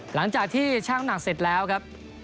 หลังจากที่ช่างหนักเสร็จแล้วครับ